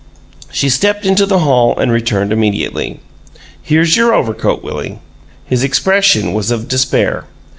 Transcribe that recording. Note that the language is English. She stepped into the hall and returned immediately. "Here's your overcoat, Willie." His expression was of despair.